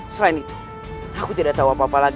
selain itu aku tidak tahu apa apa lagi